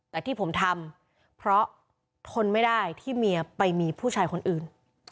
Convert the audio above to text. แต่ที่ผมทำเพราะทนไม่ได้ที่เมียไปมีผู้ชายคนอื่น